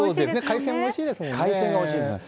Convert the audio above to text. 海鮮もおいしいですもんね。